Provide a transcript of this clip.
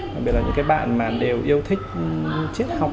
bởi vì là những cái bạn mà đều yêu thích thiết học